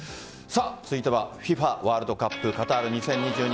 続いてはＦＩＦＡワールドカップカタール２０２２。